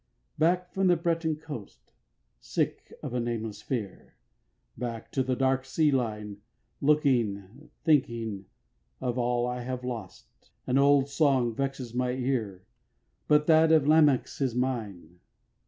6. Back from the Breton coast, Sick of a nameless fear, Back to the dark sea line Looking, thinking of all I have lost; An old song vexes my ear; But that of Lamech is mine.